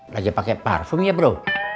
lagi pake parfum ya bro